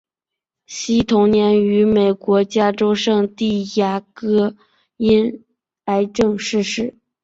惜同年于美国加州圣地牙哥因癌症逝世。